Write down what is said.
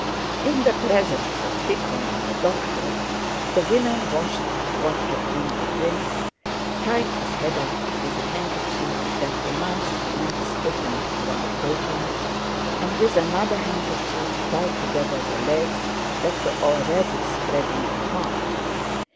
In the presence of Tíkhon and the doctor the women washed what had been the prince, tied his head up with a handkerchief that the mouth should not stiffen while open, and with another handkerchief tied together the legs that were already spreading apart.